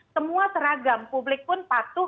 semua seragam publik pun patuh